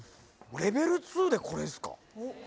レベル２でこれですか？